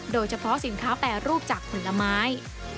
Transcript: โดยเฉพาะสินค้าแปรรูปจากผลไม้